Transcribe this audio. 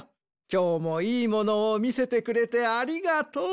きょうもいいものをみせてくれてありがとう。